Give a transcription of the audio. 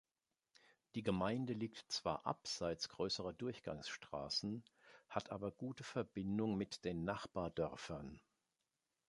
Die Gemeinde liegt zwar abseits grösserer Durchgangsstrassen, hat aber gute Verbindung mit den Nachbardörfern.